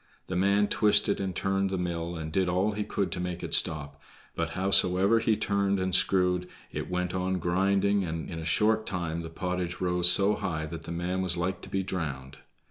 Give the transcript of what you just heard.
The man twisted and turned the mill and did all he could to make it stop, but howsoever he turned and screwed, it went on grinding, and in a short time the pottage rose so high that the man was like to be drowned.